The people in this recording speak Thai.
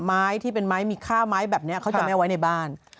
ไม้ที่มีค่าไม้แบบนี้เขาจะเอาไว้ในบ้าน